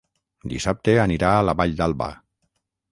Dissabte anirà a la Vall d'Alba.